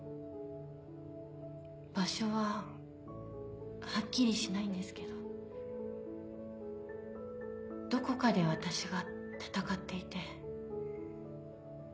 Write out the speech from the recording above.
場所ははっきりしないんですけどどこかで私が戦っていて。